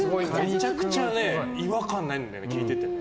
めちゃくちゃ違和感ないんだよね、聞いてて。